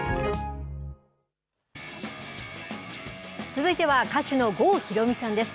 続いては歌手の郷ひろみさんです。